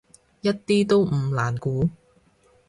一啲都唔難估